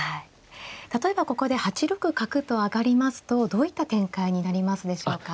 例えばここで８六角と上がりますとどういった展開になりますでしょうか。